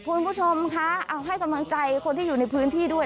คุณผู้ชมคะเอาให้กำลังใจคนที่อยู่ในพื้นที่ด้วย